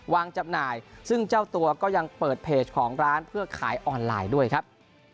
จำหน่ายซึ่งเจ้าตัวก็ยังเปิดเพจของร้านเพื่อขายออนไลน์ด้วยครับ